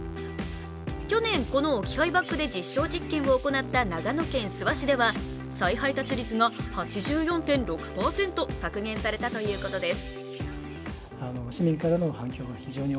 去年、この置き配バッグで実証実験を行った長野県諏訪市では再配達率が８４．６％削減されたということです。